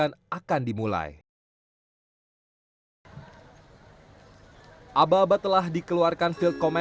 saat akan melakukan ulas laman di media aplikasi warang korea reverendwall s a b